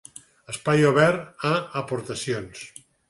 Espai obert a aportacions.